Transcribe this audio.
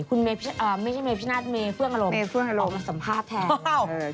คุณเมภิชนาธิเมเฟื่องอารมณ์ออกมาสัมภาพแทน